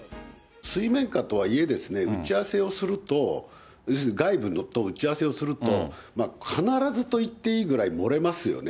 水面下とはいえですね、打ち合わせをすると、要するに外部と打ち合わせをすると、必ずと言っていいぐらい漏れますよね。